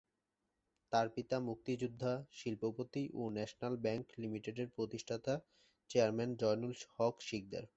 তার পিতা মুক্তিযোদ্ধা, শিল্পপতি ও ন্যাশনাল ব্যাংক লিমিটেডের প্রতিষ্ঠাতা চেয়ারম্যান জয়নুল হক সিকদার।